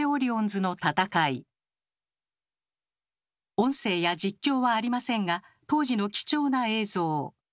音声や実況はありませんが当時の貴重な映像。